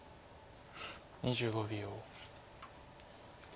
２５秒。